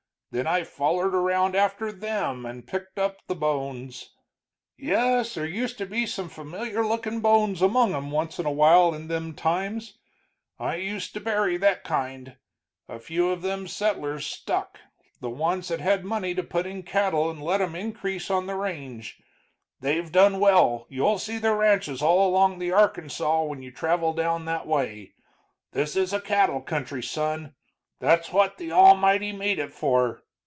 Then I follered around after them and picked up the bones. "Yes, there used to be some familiar lookin' bones among 'em once in a while in them times. I used to bury that kind. A few of them settlers stuck, the ones that had money to put in cattle and let 'em increase on the range. They've done well you'll see their ranches all along the Arkansaw when you travel down that way. This is a cattle country, son; that's what the Almighty made it for.